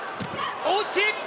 大内。